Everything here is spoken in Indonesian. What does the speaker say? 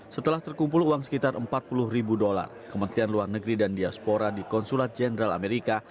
setelah terkumpul uang sekitar empat puluh ribu dolar kementerian luar negeri dan diaspora di konsulat jenderal amerika